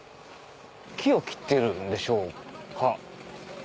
木を切ってるんでしょうか？